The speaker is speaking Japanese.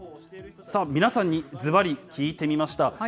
さあ、皆さんにずばり聞いてみました。